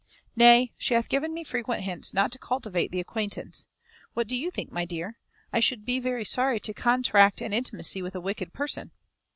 Nay, she hath given me frequent hints not to cultivate the acquaintance. What do you think, my dear? I should be very sorry to contract an intimacy with a wicked person."